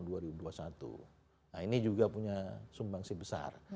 nah ini juga punya sumbang sih besar